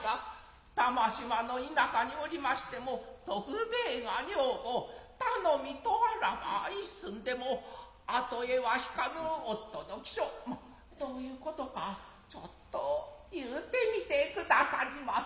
玉島の田舎におりましても徳兵衛が女房頼みとあらば一寸でも後へは引かぬ夫の気性どう云う事か一寸云うてみてくださりませ。